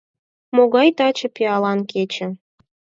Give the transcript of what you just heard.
Могай таче пиалан кече.